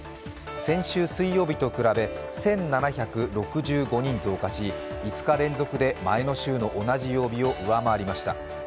先週水曜日と比べ１７６５人増加し、５日連続で前の週の同じ曜日を上回りました。